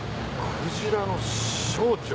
クジラの小腸。